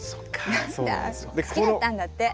好きだったんだって。